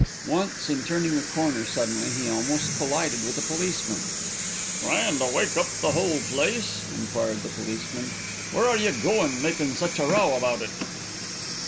Once in turning a corner suddenly he almost collided with a policeman. "Tryin' to wake the whole place?" enquired the policeman. "Where are you goin', makin' such a row about it?"